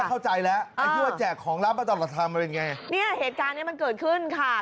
อ่าที่ว่าแจกของลับมาตลอดทำมันเป็นไงเนี้ยเหตุการณ์เนี้ยมันเกิดขึ้นค่ะ